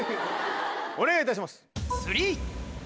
お願いいたします。